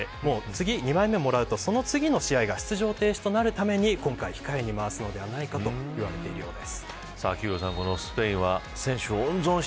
イエローカード１枚もらっていて次２枚目をもらうとその次の試合が出場停止となるために今回控えに回すのではないかと言われています。